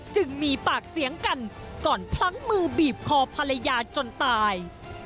จึงมีปากเสียงกันก่อนพลั้งมือบีบคอภรรยาจนตาย